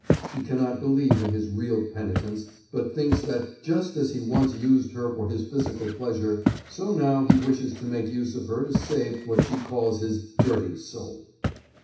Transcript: She cannot believe in his real penitence, but thinks that, just as he once used her for his physical pleasure, so now he wishes to make use of her to save what she calls his "dirty soul."